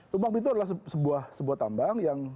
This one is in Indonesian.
tumpang pintu adalah sebuah tambang yang